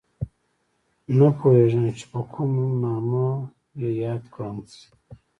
نه پوهېږم چې په کوم نامه یې یاد کړم